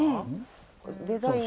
デザインが。